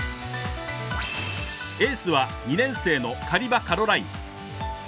エースは２年生のカリバ・カロライン。